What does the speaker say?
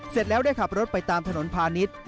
เสร็จแล้วได้ขับรถไปตามถนนพาณิชย์